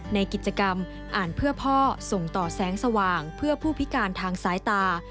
ในกิจกรรมอ่านเพื่อพ่อส่งต่อแสงสว่างเพื่อผู้พิการทางสายตา